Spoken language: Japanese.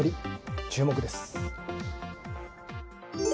注目です。